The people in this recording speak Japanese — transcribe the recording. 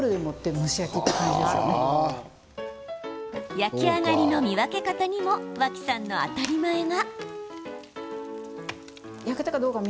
焼き上がりの見分け方にも脇さんの当たり前が。